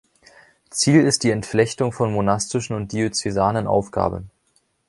Ziel ist die Entflechtung von monastischen und diözesanen Aufgaben.